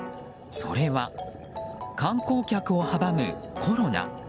それは、観光客を阻むコロナ。